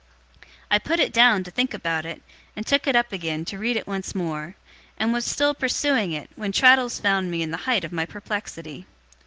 I put it down, to think about it; and took it up again, to read it once more; and was still pursuing it, when Traddles found me in the height of my perplexity.